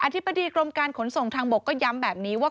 ธิบดีกรมการขนส่งทางบกก็ย้ำแบบนี้ว่า